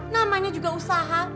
namanya juga usaha